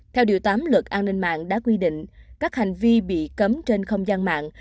theo điều tám luật an ninh mạng đã quy định các hành vi bị cấm trên không gian mạng